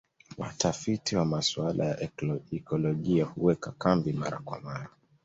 Watafiti wa masuala ya ekolojia huweka kambi mara kwa mara